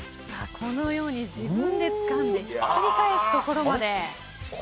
このように自分でつかんでひっくり返すところまで。